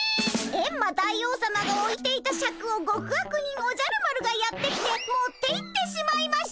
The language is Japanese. エンマ大王さまがおいていたシャクを極悪人おじゃる丸がやって来て持っていってしまいました！